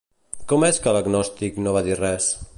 Com és que l'agnòstic no va dir res?